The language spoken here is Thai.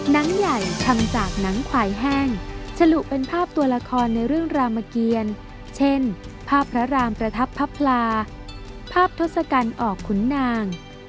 หนังใหญ่ทำจากหนังควายแห้งฉลุเป็นภาพตัวละครในเรื่องรามเกียรเช่นภาพพระรามประทับพระพลาภาพทศกัณฐ์ออกขุนนาง